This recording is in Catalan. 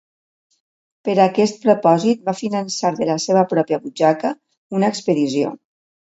Per a aquest propòsit va finançar de la seva pròpia butxaca una expedició.